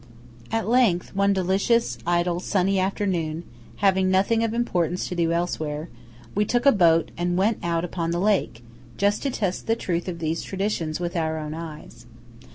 At length, one delicious, idle, sunny afternoon, having nothing of importance to do elsewhere, we took a boat and went out upon the lake, just to test the truth of these traditions with our own eyes.